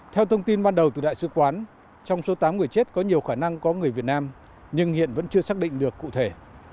theo thông tin ban đầu từ đại sứ quán trong số tám người chết có nhiều khả năng có người việt nam nhưng hiện vẫn chưa xác định được cụ thể